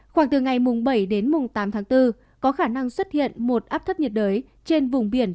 khoảng từ ngày mùng bảy đến mùng tám tháng bốn có khả năng xuất hiện một áp thấp nhiệt đới trên vùng biển